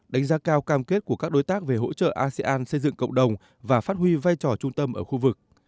đánh giá cao cam kết của các đối tác về hỗ trợ asean xây dựng cộng đồng và phát huy vai trò trung tâm ở khu vực